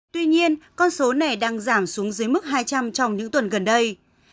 tuy nhiên con số này đang giảm xuống dưới mức hai trăm linh trong những tuần gần đây